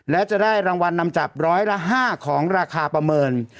และจะได้รางวัลนำจับร้อยละ๕ของราคาประเมิน